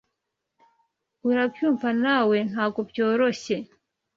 Urabyumva nawe ntagobyoroshye?